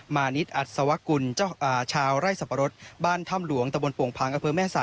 มานิดอัดสวะกุลเจ้าชาวไร่สัปปะรดบ้านทำหลวงตะบนปวงพังอเฟิร์มแม่สาย